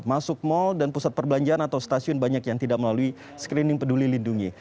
masuk mal dan pusat perbelanjaan atau stasiun banyak yang tidak melalui screening peduli lindungi